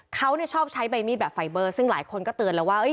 เขาชอบใช้ใบมีดแบบไฟเบอร์ซึ่งหลายคนก็เตือนแล้วว่า